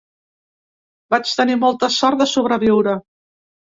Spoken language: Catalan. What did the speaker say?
Vaig tenir molta sort de sobreviure.